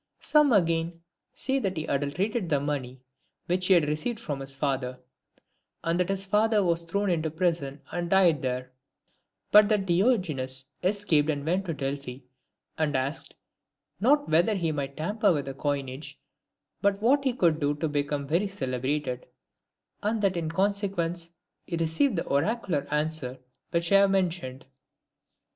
Some again, say that he adulterated the money which he had received from his father ; and that his father was thrown into prison and died there ; but that Diogenes escaped and went to Delphi, and asked, not whether he might tamper with the coinage, but what he could do to become very celebrated, and that in consequence he received the oracular answer which I have mentioned.